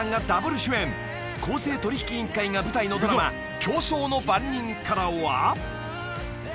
［公正取引委員会が舞台のドラマ『競争の番人』からは］